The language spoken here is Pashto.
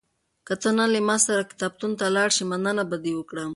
که ته نن له ما سره کتابتون ته لاړ شې، مننه به دې وکړم.